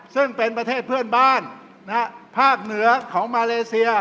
ซึ่งเป็นประเทศเพื่อนบ้านภาคเหนือของมาเลเซีย